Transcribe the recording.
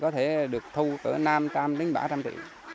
thế được thu cỡ năm trăm linh ba trăm linh triệu